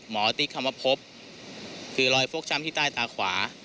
หมอติฯครโมพภคือรอยพกช้ำที่ใต้ตาขวา